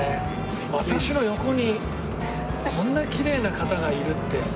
私の横にこんなきれいな方がいるって。